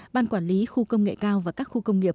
ban quản lý khu công nghệ cao và các khu công nghiệp